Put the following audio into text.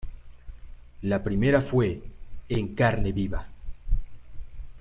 La primera fue "En carne viva".